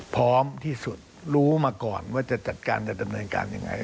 พร้อมที่สุดรู้มาก่อนว่าจะจัดการจะดำเนินการยังไง